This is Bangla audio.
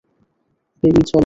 বেবি, চলো!